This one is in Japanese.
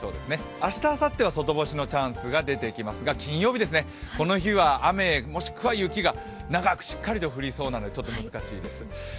明日、あさっては外干しのチャンスが出てきますが金曜日、この日は雨、もしくは雪が長くしっかりと不利そうなのでちょっと難しいです。